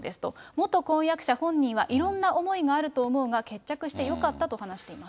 元婚約者本人はいろんな思いがあると思うが、決着してよかったと話しています。